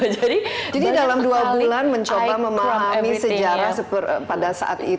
jadi dalam dua bulan mencoba memahami sejarah pada saat itu